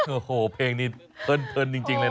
โอ้โหเพลงนี้เพลินจริงเลยนะ